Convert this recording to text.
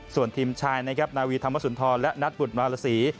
ส่วนทีมชายนะครับนาวีธรรมสุนทรและนัทบุตรวารสี